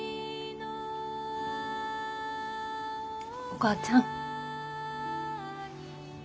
お母ちゃん。